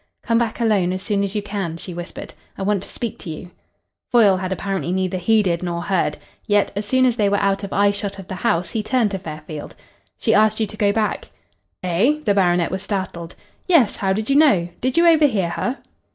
"Come back alone as soon as you can," she whispered. "I want to speak to you." Foyle had apparently neither heeded nor heard. Yet, as soon as they were out of eye shot of the house, he turned to Fairfield. "She asked you to go back?" "Eh?" The baronet was startled. "Yes. How did you know? Did you overhear her?"